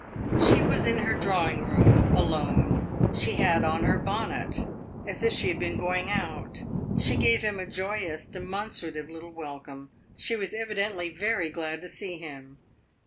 She was in her drawing room, alone; she had on her bonnet, as if she had been going out. She gave him a joyous, demonstrative little welcome; she was evidently very glad to see him.